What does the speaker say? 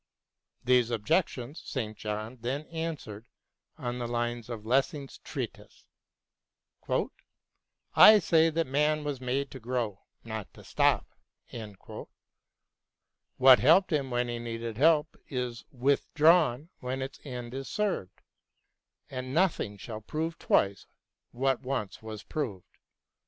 These objections St. John then answers on the lines of Lessing's treatise :" I say that man was made to grow, not to stop." What helped him when he needed help is withdrawn when its end is served, and nothing shall prove twice what once was proved.